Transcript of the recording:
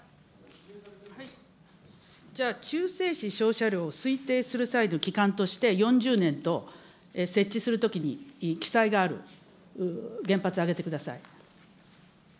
じゃあ、を推定する際の期間として、４０年と、設置するときに記載がある原発を挙げてください。